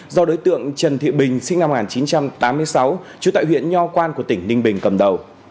do đối tượng trần thị bình sinh năm một nghìn chín trăm tám mươi sáu trú tại huyện nho quan của tỉnh ninh bình cầm đầu